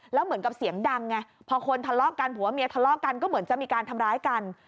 แล้วเหมือนกับเสียงดังไงพอคนทะเลาะกันผัวเมียทะเลาะกันก็เหมือนจะมีการทำร้ายกัน